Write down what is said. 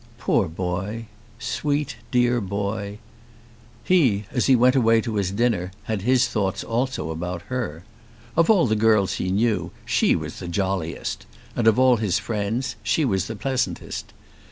Poor boy! Sweet dear boy! He, as he went away to his dinner, had his thoughts also about her. Of all the girls he knew she was the jolliest, and of all his friends she was the pleasantest.